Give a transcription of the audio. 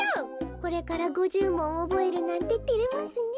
これから５０もんおぼえるなんててれますねえ。